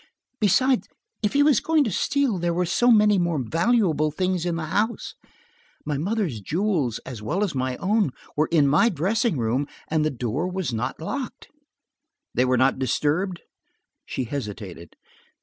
Besides, if he was going to steal, there were so many more valuable things in the house. My mother's jewels as well as my own were in my dressing room, and the door was not locked." "They were not disturbed?" She hesitated.